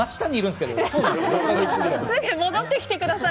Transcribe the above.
すぐ戻ってきてください！